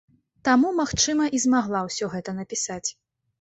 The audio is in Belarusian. Таму, магчыма, і змагла ўсё гэта напісаць.